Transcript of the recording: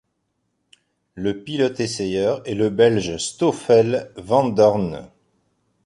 Le pilote essayeur est le Belge Stoffel Vandoorne.